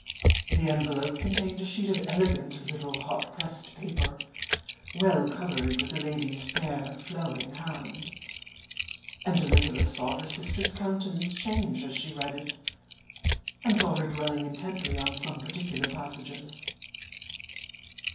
The envelope contained a sheet of elegant, little, hot pressed paper, well covered with a lady's fair, flowing hand; and Elizabeth saw her sister's countenance change as she read it, and saw her dwelling intently on some particular passages.